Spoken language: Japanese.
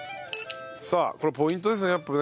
さあこれポイントですねやっぱね。